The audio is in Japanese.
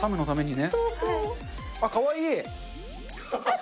かわいい！